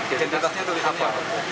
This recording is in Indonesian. identitasnya itu apa